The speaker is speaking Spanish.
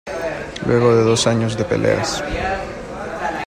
Luego de dos años de peleas.